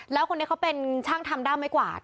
แล้วคนนี้เขาเป็นช่างทำด้ามไม้กวาด